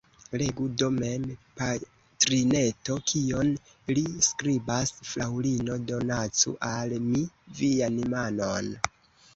Legu do mem, patrineto, kion li skribas: « Fraŭlino, donacu al mi vian manon!